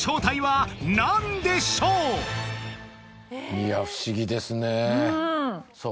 いや不思議ですねさあ